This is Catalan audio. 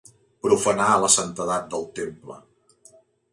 Profanar la santedat del temple.